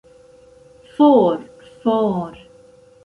For, for!